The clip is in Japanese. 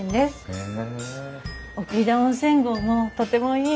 へえ。